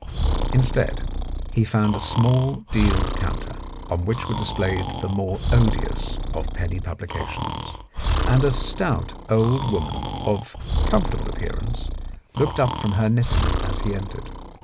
Instead, he found a small deal counter, on which were displayed the more odious of penny publications, and a stout old woman of comfortable appearance looked up from her knitting as he entered.